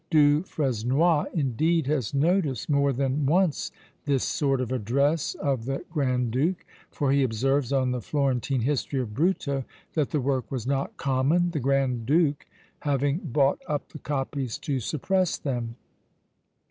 Du Fresnoy, indeed, has noticed more than once this sort of address of the Grand Duke; for he observes on the Florentine history of Bruto that the work was not common, the Grand Duke having bought up the copies to suppress them.